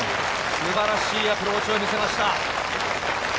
素晴らしいアプローチを見せました。